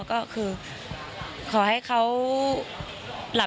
ก็คือขอให้เขา